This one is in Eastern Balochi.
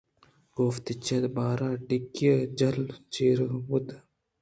کاف تچان ءَ بار ءِ ڈیکی ءِ جہل ءَ چیر بوت